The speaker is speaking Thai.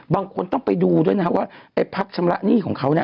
ต่างคนต้องไปดูด้วยนะฮะเพราะว่าไอ้พักชำระนี่ของเขา